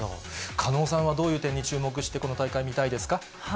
狩野さんはどういう点に注目してこの大会見たいですか？